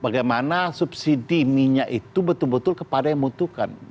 bagaimana subsidi minyak itu betul betul kepada yang membutuhkan